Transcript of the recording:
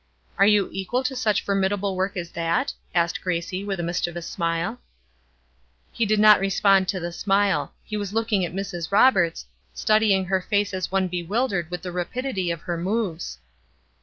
"Are you equal to such formidable work as that?" asked Gracie, with a mischievous smile. He did not respond to the smile; he was looking at Mrs. Roberts, studying her face as one bewildered with the rapidity of her moves.